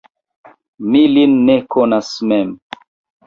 Mi lin ne konas mem!